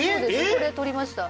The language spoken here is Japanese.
これ撮りました